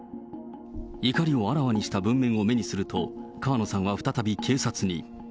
怒りをあらわにした文面を目にすると、川野さんは再び警察に。